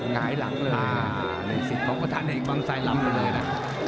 หลายหลังเลยนะอ่าในสิทธิ์ของประธานเอกบางไทยหลับไปเลยน่ะ